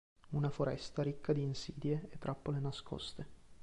Una foresta ricca di insidie e trappole nascoste.